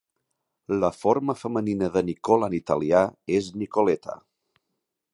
La forma femenina de Nicola en italià és Nicoletta.